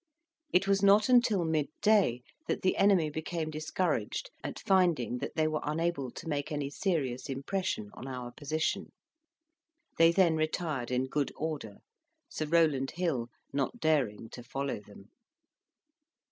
It was not until mid day that the enemy became discouraged at finding that they were unable to make any serious impression on our position; they then retired in good order, Sir Rowland Hill not daring to follow them.